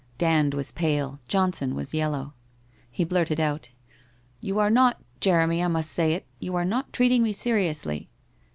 Dand was pale. Johnson was yellow. He blurted out: 'You are not — Jeremy, I must Bay it — you arc not treating me seriously?